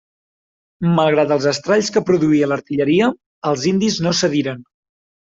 Malgrat els estralls que produïa l’artilleria, els indis no cediren.